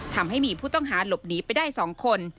ทำให้มีผู้ต้องหาหลบหนีไปได้๒คน